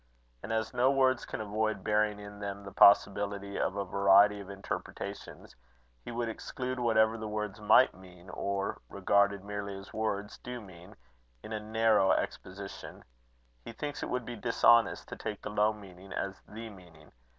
And as no words can avoid bearing in them the possibility of a variety of interpretations, he would exclude whatever the words might mean, or, regarded merely as words, do mean, in a narrow exposition: he thinks it would be dishonest to take the low meaning as the meaning.